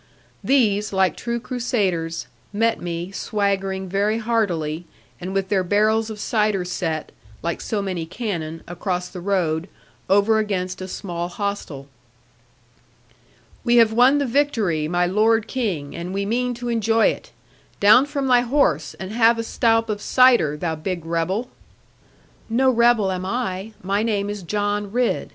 These, like true crusaders, met me, swaggering very heartily, and with their barrels of cider set, like so many cannon, across the road, over against a small hostel. 'We have won the victory, my lord King, and we mean to enjoy it. Down from thy horse, and have a stoup of cider, thou big rebel.' 'No rebel am I. My name is John Ridd.